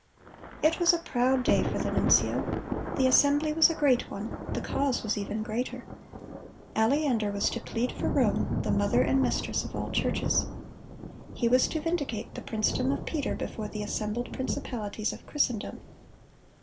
"It was a proud day for the nuncio. The assembly was a great one: the cause was even greater. Aleander was to plead for Rome, ... the mother and mistress of all churches." He was to vindicate the princedom of Peter before the assembled principalities of Christendom.